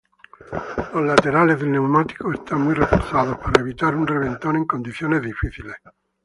Los laterales del neumático están muy reforzados, para evitar un reventón en condiciones difíciles.